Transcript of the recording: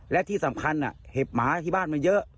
และที่สำคัญเห็บหมาที่บ้านมันเยอะ